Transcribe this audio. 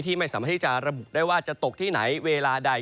ไม่สามารถที่จะระบุได้ว่าจะตกที่ไหนเวลาใด